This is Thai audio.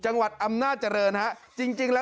จังหวัดอำนาจริงฮะ